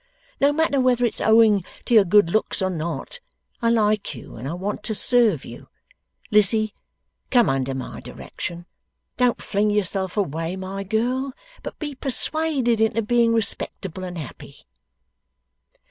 No matter whether it's owing to your good looks or not, I like you and I want to serve you. Lizzie, come under my direction. Don't fling yourself away, my girl, but be persuaded into being respectable and happy.